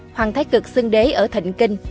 hoàng thái cực xưng đế ở thịnh kinh